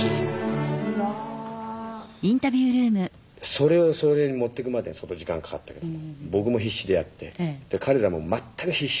それをそういうふうに持ってくまで相当時間かかったけど僕も必死でやって彼らも全く必死。